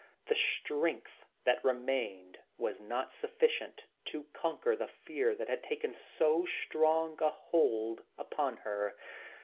The strength that remained was not sufficient to conquer the fear that had taken so strong a hold upon her.